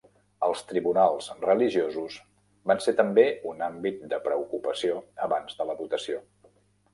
Els "tribunals religiosos" van ser també un àmbit de preocupació abans de la votació.